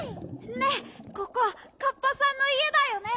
ねっここカッパさんのいえだよね？